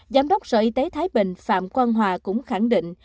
giám đốc sở y tế thái bình phạm quang hòa cũng khẳng định